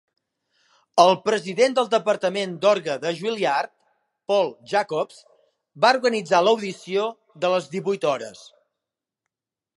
El president del Departament d'Orgue de Juilliard, Paul Jacobs, va organitzar l'audició de les divuit hores.